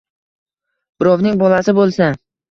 Birovning bolasi bo‘lsa...